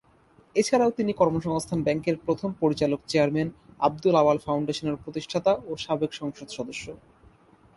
এছাড়াও তিনি কর্মসংস্থান ব্যাংকের প্রথম পরিচালক চেয়ারম্যান, আবদুল আউয়াল ফাউন্ডেশনের প্রতিষ্ঠাতা ও সাবেক সংসদ সদস্য।